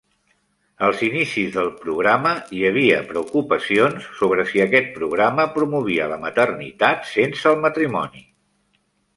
Als inicis del programa, hi havia preocupacions sobre si aquest programa promovia la maternitat sense el matrimoni.